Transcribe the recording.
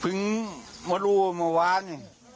มารู้เมื่อวาน